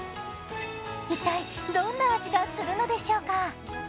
一体、どんな味がするんでしょうか